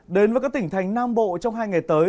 đến với các tỉnh thành nam bộ trong hai ngày tới